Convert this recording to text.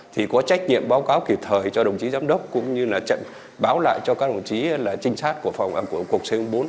thì có trách nhiệm báo cáo kịp thời cho đồng chí giám đốc cũng như là trận báo lại cho các đồng chí là trinh sát của cục c bốn